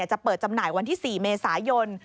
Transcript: จะเปิดจำหน่ายวันที่๔เมษายน